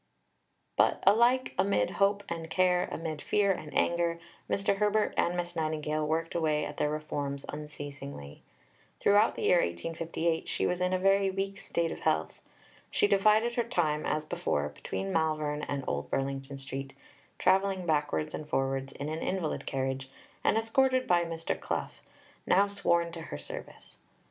But alike amid hope and care, amid fear and anger, Mr. Herbert and Miss Nightingale worked away at their reforms unceasingly. Throughout the year 1858 she was in a very weak state of health. She divided her time, as before, between Malvern and Old Burlington Street, travelling backwards and forwards in an invalid carriage, and escorted by Mr. Clough, now sworn to her service.